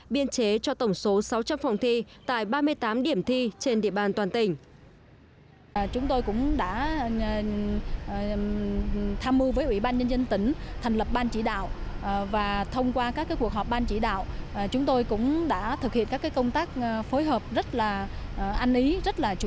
biên chế cho tổng số sáu trăm linh phòng thi tại ba mươi tám điểm thi trên địa bàn toàn tỉnh